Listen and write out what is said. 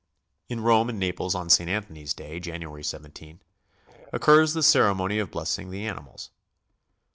In Rome and Naples on St. Anthony's Day, Jan. 17, occurs the cere mony of blessing the animals.